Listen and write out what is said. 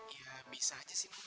ya bisa aja sih bu